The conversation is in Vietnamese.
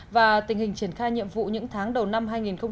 và tình hình triển khai nhiệm vụ những tháng đầu năm hai nghìn một mươi bảy